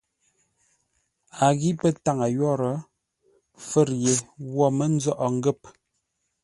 A ghîʼ pə́ táŋə yórə́ fə̌r yé wo mə́ nzóghʼə ngə̂p.